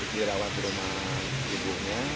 dirawat rumah ibu nya